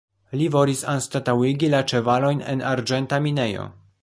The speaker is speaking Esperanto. Li volis anstataŭigi la ĉevalojn en arĝenta minejo.